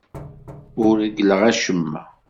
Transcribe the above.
Ur reggleɣ acemma.